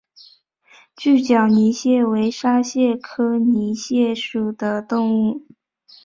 锯脚泥蟹为沙蟹科泥蟹属的动物。